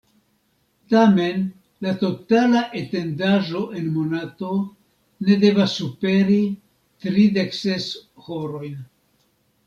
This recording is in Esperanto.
Tamen la totala etendaĵo en monato ne devas superi tridek ses horojn.